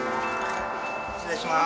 失礼します。